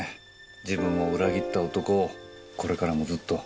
自分を裏切った男をこれからもずっと。